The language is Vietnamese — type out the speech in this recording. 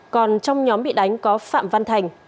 còn trong nhóm bị đánh có phạm văn thành